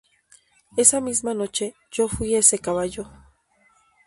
Esa misma noche yo fui ese caballo.